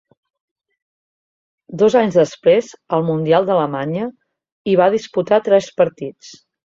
Dos anys després, al Mundial d'Alemanya, hi va disputar tres partits.